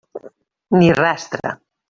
Ni rastre.